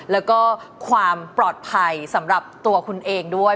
แล้วก็ความปลอดภัยสำหรับตัวคุณเองด้วย